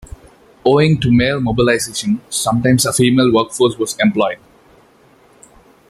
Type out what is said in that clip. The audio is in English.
Owing to male mobilization, sometimes a female workforce was employed.